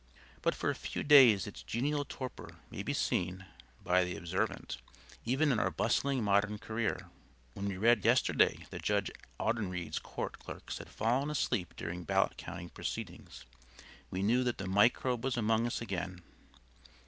But for a few days its genial torpor may be seen (by the observant) even in our bustling modern career. When we read yesterday that Judge Audenried's court clerks had fallen asleep during ballot counting proceedings we knew that the microbe was among us again.